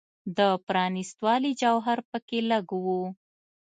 د پرانیستوالي جوهر په کې لږ و.